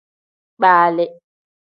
Kpali.